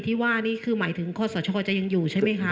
ที่ว่านี่คือหมายถึงข้อสชจะยังอยู่ใช่ไหมคะ